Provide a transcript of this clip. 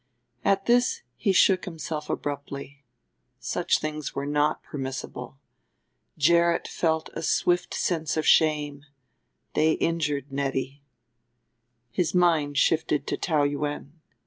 At this he shook himself abruptly such things were not permissible. Gerrit felt a swift sense of shame; they injured Nettie. His mind shifted to Taou Yuen.